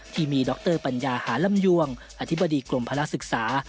ที่มีดรปัญญาหาร่ำยวงอธิบดีกลมพลักษณ์ศึกษา